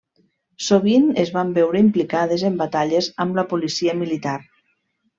Sovint es van veure implicades en batalles amb la policia militar.